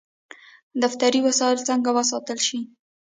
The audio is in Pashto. دفتري وسایل څنګه وساتل شي؟